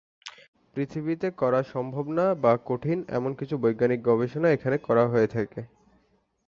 পৃথিবীতে করা সম্ভব না বা কঠিন এমন কিছু বৈজ্ঞানিক গবেষণা এখানে করা হয়ে থাকে।